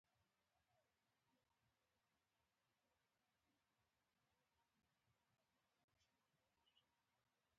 حضرت عمر فاروق رض د عدالت له امله ډېر مشهور دی.